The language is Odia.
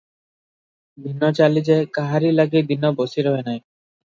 ଦିନ ଚାଲିଯାଏ, କାହାରି ଲାଗି ଦିନ ବସି ରହେ ନାହିଁ।